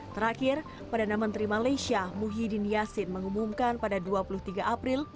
terakhir pada nama menteri malaysia muhyiddin yassin mengumumkan pada dua puluh tiga april